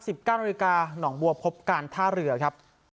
เก้านาฬิกาหนองบัวพบการท่าเรือครับ